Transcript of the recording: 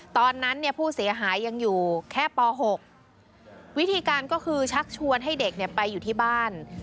ตอนนั้นเนี่ยผู้เสียหายยังอยู่แค่ป๖วิธีการก็คือชักชวนให้เด็กไปอยู่ที่บ้าน